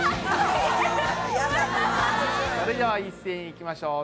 それでは一斉にいきましょう！